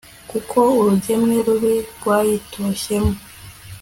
kuko urugemwe rubi rwayitoshyemo